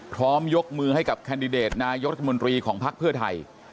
พร้อมยกมือให้กับแคนดิเดตนายกรัฐมนตรีของภักดิ์เพื่อไทย